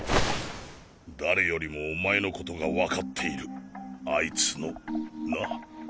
誰よりもお前のことがわかっているあいつのな。